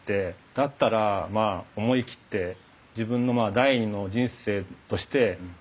だったらまあ思い切って自分の第２の人生としてチャレンジしたいと。